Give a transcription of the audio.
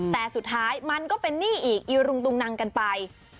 แต่สุดท้ายมันก็เป็นหนี้อีกอีรุงตุงนังกันไป